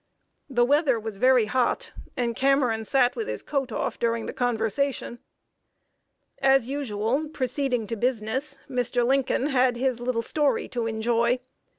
The weather was very hot, and Cameron sat with his coat off during the conversation. As usual, before proceeding to business, Mr. Lincoln had his "little story" to enjoy.